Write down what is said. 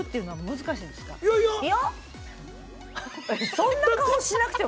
そんな顔しなくても。